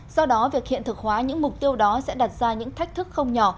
do đó việc hiện thực hóa những mục tiêu đó sẽ đặt ra những thách thức không nhỏ